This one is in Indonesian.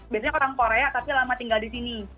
biasanya orang korea tapi lama tinggal di sini